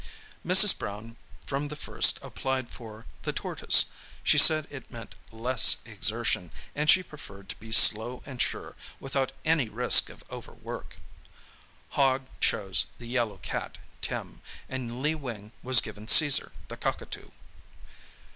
Mrs. Brown from the first applied for the tortoise. She said it meant less exertion, and she preferred to be slow and sure, without any risk of over work. Hogg chose the yellow cat, Tim, and Lee Wing was given Caesar, the cockatoo.